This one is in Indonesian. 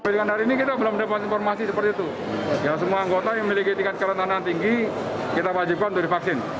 jika tingkat kerentanan tinggi kita wajibkan untuk divaksin